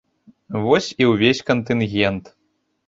Вось і ўвесь кантынгент.